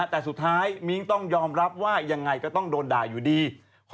แต่สุดท้ายมิ้งต้องยอมรับว่ายังไงก็ต้องโดนด่าอยู่ดี